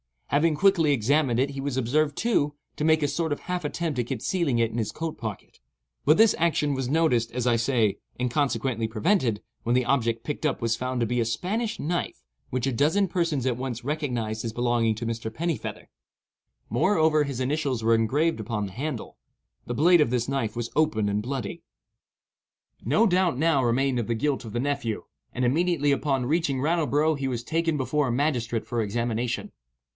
Having quickly examined it he was observed, too, to make a sort of half attempt at concealing it in his coat pocket; but this action was noticed, as I say, and consequently prevented, when the object picked up was found to be a Spanish knife which a dozen persons at once recognized as belonging to Mr. Pennifeather. Moreover, his initials were engraved upon the handle. The blade of this knife was open and bloody. No doubt now remained of the guilt of the nephew, and immediately upon reaching Rattleborough he was taken before a magistrate for examination.